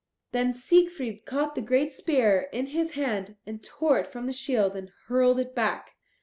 Then Siegfried caught the great spear in his hand, and tore it from the shield, and hurled it back.